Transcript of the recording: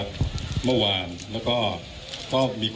คุณผู้ชมไปฟังผู้ว่ารัฐกาลจังหวัดเชียงรายแถลงตอนนี้ค่ะ